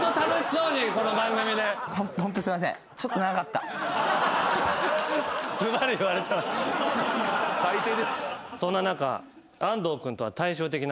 そんな中。